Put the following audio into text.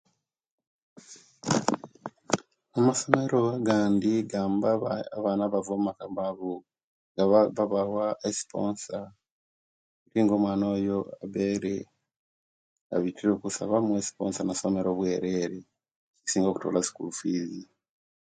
Amasomero angandi gamba aba abaana abava omumaka amaavu, nga babawa esiponsa buti nga omwana oyo abeire abitire okusa bamuwa esiponsa nasomera obwereere okusinga okutola sukulu fiizi.